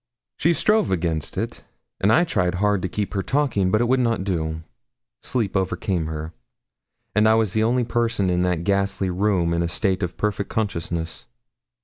She strove against it, and I tried hard to keep her talking; but it would not do sleep overcame her; and I was the only person in that ghastly room in a state of perfect consciousness.